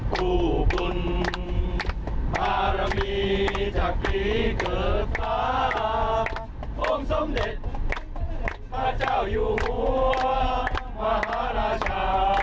ข้าเจ้าอยู่หัวมหาราชา